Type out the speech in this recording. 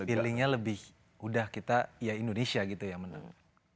feelingnya lebih udah kita ya indonesia gitu yang menang